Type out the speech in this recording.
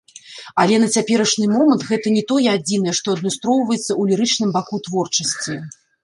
Але на цяперашні момант, гэта не тое адзінае, што адлюстроўваецца ў лірычным баку творчасці.